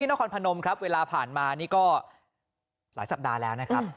นครพนมครับเวลาผ่านมานี่ก็หลายสัปดาห์แล้วนะครับ